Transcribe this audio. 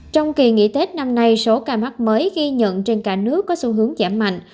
trong kỳ nghỉ tết năm nay số ca mắc mới ghi nhận trên cả nước có xu hướng giảm mạnh